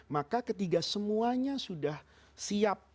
maka ketika semuanya sudah siap